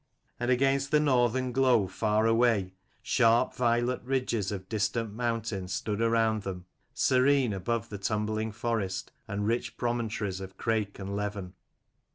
And against the northern glow far away, sharp violet ridges of distant mountain stood around them, serene, above the tumbling forest and rich promontories of Crake and Leven.